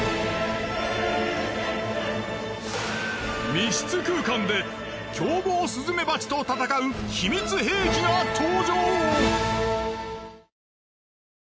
密室空間で凶暴スズメバチと戦う秘密兵器が登場！